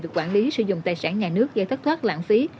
việc quản lý sử dụng tài sản nhà nước gây thất thoát lãng phí